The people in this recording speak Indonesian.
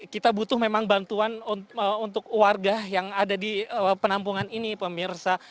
kita butuh memang bantuan untuk warga yang ada di penampungan ini pemirsa